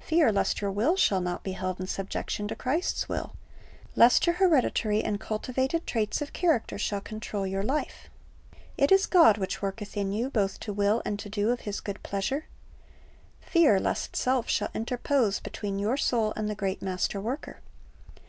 Fear lest your will shall not be held in subjection to Christ's will, lest your hereditar)^ and cultivated traits of character shall control your life. "It is God which worketh in you both to will and to do of His good pleasure." Fear lest self shall interpose between your soul and the great Master worker.